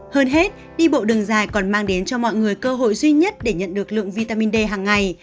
hơn hết đi bộ đường dài còn mang đến cho mọi người cơ hội duy nhất để nhận được lượng vitamin d hàng ngày